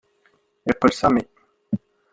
Yeqqel Sami.